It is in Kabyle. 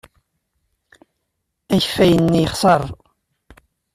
Akeffay-nni yexṣer.